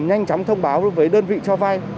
nhanh chóng thông báo với đơn vị cho vay